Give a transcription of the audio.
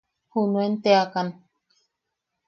Junuen teakan.